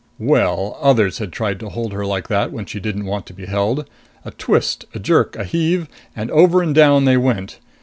Well, others had tried to hold her like that when she didn't want to be held. A twist, a jerk, a heave and over and down they went.